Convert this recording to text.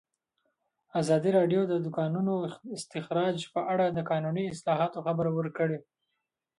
ازادي راډیو د د کانونو استخراج په اړه د قانوني اصلاحاتو خبر ورکړی.